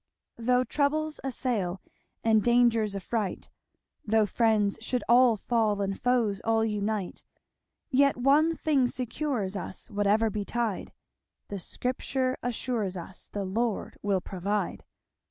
"Though troubles assail, And dangers affright, Though friends should all fall, And foes all unite; Yet one thing secures us Whatever betide, The Scripture assures us 'The Lord will provide.'